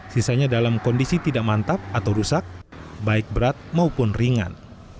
sisanya dalam kondisi tidak mantap atau rusak baik berat maupun ringan